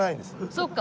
そっか